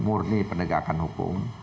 murni penegakan hukum